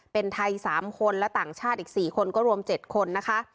เป็นไทย๓คนและต่างชาติอีก๔คนก็รวม๗คนนะคะ